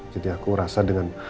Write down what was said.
jadi aku rasa dengan